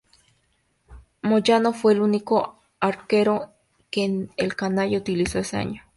Moyano fue el único arquero que el "canalla" utilizó ese año.